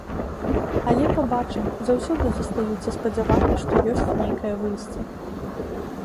Але пабачым, заўсёды застаюцца спадзяванні, што ёсць нейкае выйсце.